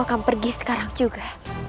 takkan aku pergi sekarang juga